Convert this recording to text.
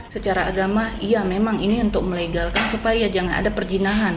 secara agama iya memang ini untuk melegalkan supaya jangan ada perjinahan